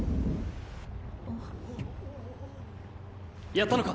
やったのか？